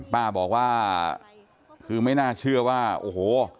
ป้าบอกว่าคือไม่น่าเชื่อว่าโอ้โห